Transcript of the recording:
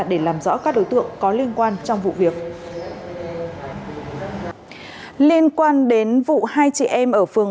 để làm rõ các đối tượng có liên quan trong vụ việc